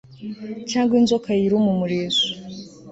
cyangwa inzoka yiruma umurizo